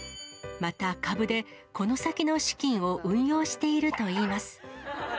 また株で、この先の資金を運用しているといいます。